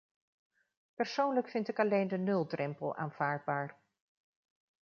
Persoonlijk vind ik alleen de nuldrempel aanvaardbaar.